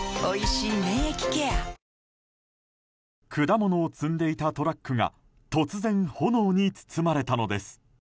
果物を積んでいたトラックが突然、炎に包まれたのです。